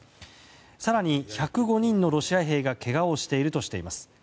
更に１０５人のロシア兵がけがをしているとしています。